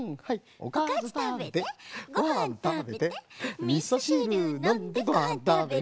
「おかずたべてごはんたべてみそしるのんでごはんたべる」